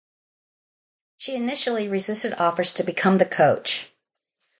She initially resisted offers to become the coach.